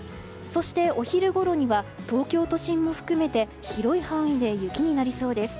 お昼ごろには東京都心も含めて広い範囲で雪になりそうです。